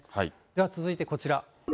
では続いてこちら。